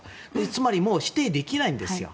つまり、否定できないんです。